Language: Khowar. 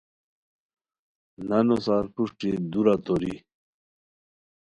نانو سار پروشٹی دورا توری